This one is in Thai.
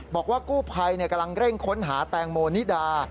บอกว่ากู้ภัยกำลังเร่งค้นหาแตงโมนิดา